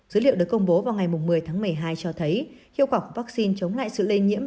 dữ liệu được công bố vào ngày một mươi tháng một mươi hai cho thấy hiệu quả của vaccine chống lại sự lây nhiễm